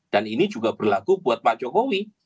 dan ini juga berlaku buat pak jokowi